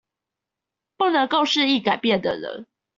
不能夠適應改變的人